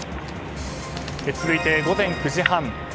続いて、午前９時半。